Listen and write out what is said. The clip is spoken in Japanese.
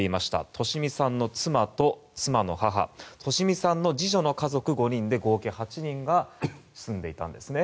利美さんの妻と妻の母、利美さんの次女の家族５人で合計８人が住んでいたんですね。